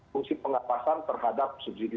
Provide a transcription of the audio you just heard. fungsi pengapasan terhadap subsidi